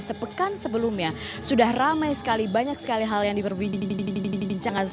sepekan sebelumnya sudah ramai sekali banyak sekali hal yang diperbincangkan soal apa yang kemungkinan terjadi dalam kongres